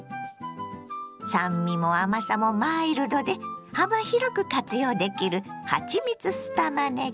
酸味も甘さもマイルドで幅広く活用できる「はちみつ酢たまねぎ」。